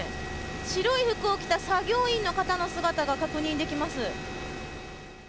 白い服を着た作業員の方の姿が確認できます。